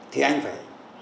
thì anh phải